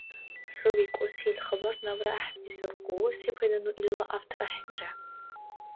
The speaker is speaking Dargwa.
ХӀу викӀуси ил хабар набра гӀяхӀбизургу, сепайда, ну илала автор ахӀенра.